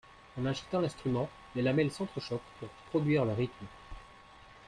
En agitant l'instrument les lamelles s'entrechoquent pour produire le rythme.